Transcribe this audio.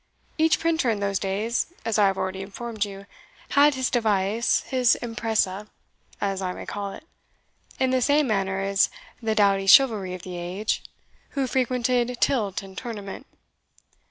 Each printer in those days, as I have already informed you, had his device, his impresa, as I may call it, in the same manner as the doughty chivalry of the age, who frequented tilt and tournament.